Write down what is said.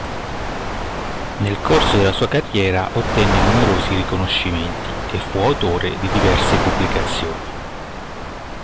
Nel corso della sua carriera ottenne numerosi riconoscimenti e fu autore di diverse pubblicazioni.